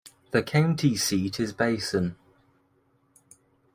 The county seat is Basin.